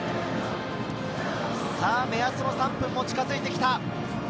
目安の３分も近づいてきた。